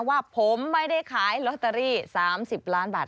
ว่าผมไม่ได้ขายลอตเตอรี่๓๐ล้านบาท